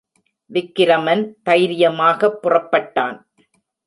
விக்கிரமன் தைரியமாகப் புறப்பட்டான்.